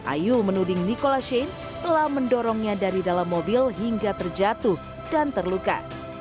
ayu menuding nicola shane telah mendorongnya dari dalam mobil hingga terjatuh dan terluka